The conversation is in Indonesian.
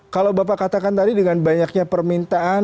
kalau bapak katakan tadi dengan banyaknya permintaan